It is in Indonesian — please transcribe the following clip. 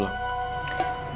ya udah deh